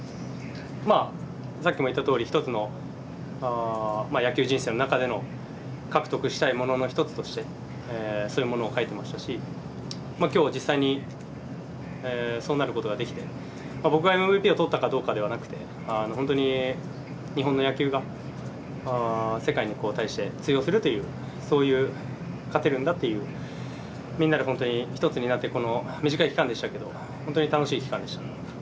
さっきも言ったとおり、１つの野球人生の中での獲得したいものの１つとしてそういうものを書いていましたしきょう実際にそうなることができて僕がＭＶＰを取ったかどうかではなくて本当に日本の野球が世界に対して通用するというそういう勝てるんだという、みんなで本当に１つになって短い期間でしたけど本当に楽しい期間でした。